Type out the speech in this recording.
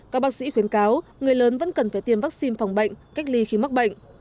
các bác sĩ khuyến cáo người lớn vẫn cần phải tiêm vaccine phòng bệnh cách ly khi mắc bệnh